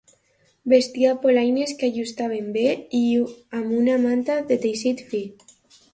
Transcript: Vestia polaines que ajustaven bé i amb una manta de teixit fi.